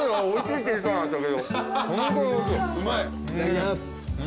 いただきます。